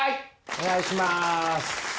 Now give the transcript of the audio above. お願いします。